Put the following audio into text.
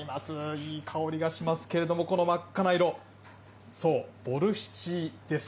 いい香りがしますけれども、この真っ赤な色、そう、ボルシチです。